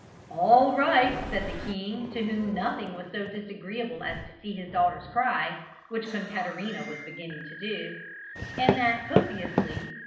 "All right," said the king, to whom nothing was so disagreeable as to see his daughters cry, which Concaterina was beginning to do, and that copiously.